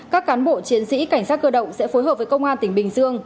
các cán bộ chiến sĩ cảnh sát cơ động sẽ phối hợp với công an tỉnh bình dương